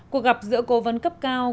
cuộc gặp giữa cố vấn cấp cao